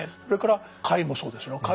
それから貝もそうですよ。